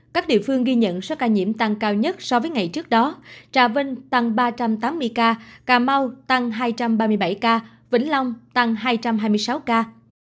các địa phương ghi nhận số ca nhiễm tăng cao nhất so với ngày trước đó trà vinh tăng ba trăm tám mươi ca cà mau tăng hai trăm ba mươi bảy ca vĩnh long tăng hai trăm hai mươi sáu ca